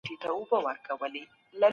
موږ باید د یوې غوره ټولني لپاره هڅه وکړو.